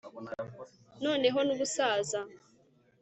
noneho n'ubusaza